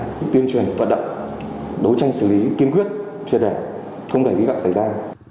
tuyên truyền hoạt động đối tranh xử lý kiên quyết truyền đề không để vĩ vọng xảy ra